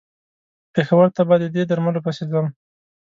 پېښور ته به د دې درملو پسې ځم.